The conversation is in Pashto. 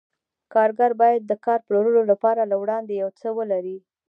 کارګر باید د کار پلورلو لپاره له وړاندې یو څه ولري